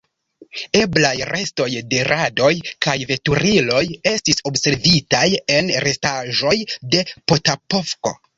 Eblaj restoj de radoj kaj veturiloj estis observitaj en restaĵoj de Potapovka.